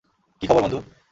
কি খবর বন্ধু?